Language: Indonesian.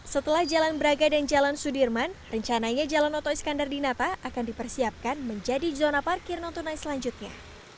setelah jalan braga dan jalan sudirman rencananya jalan oto iskandar di nata akan dipersiapkan menjadi zona parkir non tunai selanjutnya